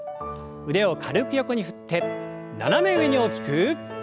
腕を軽く横に振って斜め上に大きく。